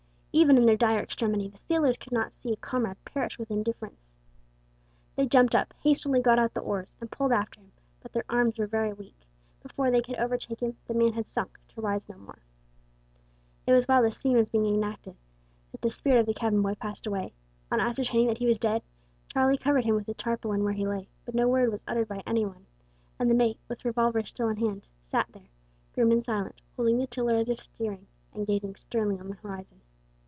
Even in their dire extremity the sailors could not see a comrade perish with indifference. They jumped up, hastily got out the oars, and pulled after him, but their arms were very weak; before they could overtake him the man had sunk to rise no more. It was while this scene was being enacted that the spirit of the cabin boy passed away. On ascertaining that he was dead Charlie covered him with a tarpaulin where he lay, but no word was uttered by any one, and the mate, with revolver still in hand, sat there grim and silent holding the tiller as if steering, and gazing sternly on the horizon.